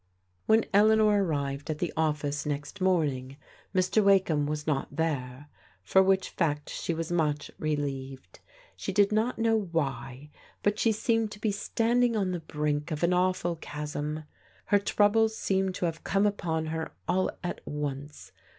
When Eleanor arrived at the oflSce next morning, Mr. Wakeham was not there, for which fact she was much relieved. She did not know why, but she seemed to be standing on the brink of an awful chasm. Her troubles seemed to have come upon her all at once.